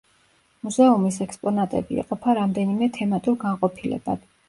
მუზეუმის ექსპონატები იყოფა რამდენიმე თემატურ განყოფილებად.